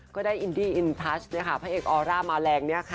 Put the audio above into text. ก็ได้อินดีอินพัชเนี่ยค่ะพระเอกออร่ามาแหลงเนี่ยค่ะ